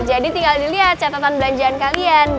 jadi tinggal dilihat catatan belanjaan kalian